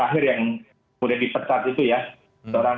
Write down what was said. kemudian dipercat itu ya seorang